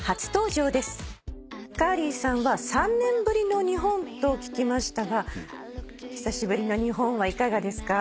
カーリーさんは３年ぶりの日本と聞きましたが久しぶりの日本はいかがですか？